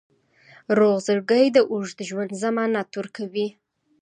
روغ زړګی د اوږد ژوند ضمانت ورکوي.